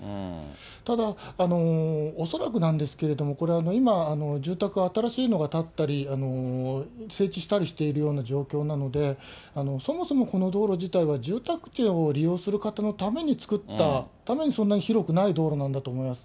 ただ、恐らくなんですけれども、これ今、住宅、新しいのが建ったり、整地したりしているような状況なので、そもそもこの道路自体は、住宅地を利用する方のために作ったために、そんなに広くない道路なんだと思います。